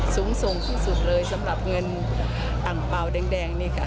สูงส่งที่สุดเลยสำหรับเงินอังเปล่าแดงนี่ค่ะ